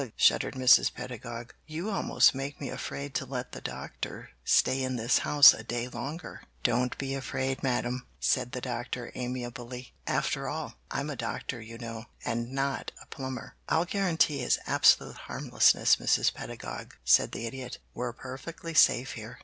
shuddered Mrs. Pedagog. "You almost make me afraid to let the Doctor stay in this house a day longer." "Don't be afraid, Madame," said the Doctor amiably. "After all, I'm a doctor, you know, and not a plumber." "I'll guarantee his absolute harmlessness, Mrs. Pedagog," said the Idiot. "We're perfectly safe here.